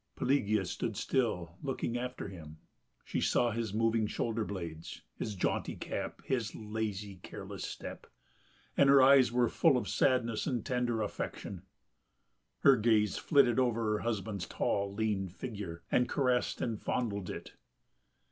Pelagea stood still looking after him.... She saw his moving shoulder blades, his jaunty cap, his lazy, careless step, and her eyes were full of sadness and tender affection.... Her gaze flitted over her husband's tall, lean figure and caressed and fondled it....